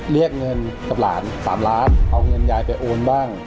เรียกเงินกับหลาน๓ล้านเอาเงินยายไปโอนบ้าง